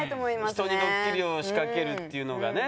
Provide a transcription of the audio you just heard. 人にドッキリを仕掛けるっていうのがね。